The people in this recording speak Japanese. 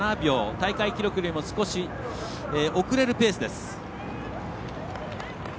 大会記録よりも少し遅れるペースです。